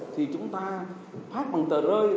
thì chúng ta phát bằng tờ rơi